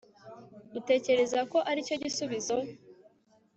utekereza ko aricyo gisubizo